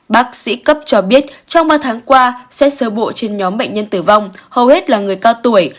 bác sĩ cấp cho biết trong ba tháng qua xét sơ bộ trên nhóm bệnh nhân tử vong hầu hết là người cao tuổi